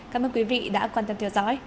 cảm ơn quý vị đã quan tâm theo dõi